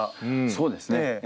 そうですね。